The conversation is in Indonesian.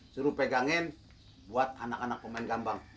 suruh pegangin buat anak anak pemain gambang